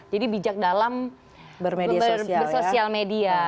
jadi bijak dalam bersosial media